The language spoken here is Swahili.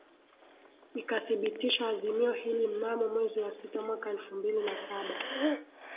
ikathibitisha azimio hili mnamo mwezi wa sita mwaka elfu mbili na saba